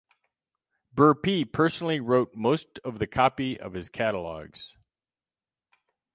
Burpee personally wrote most of the copy of his catalogs.